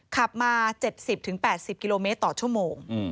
ขับมา๗๐๘๐กิโลเมตรต่อชั่วโมง